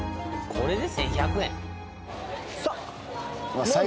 これで１１００円？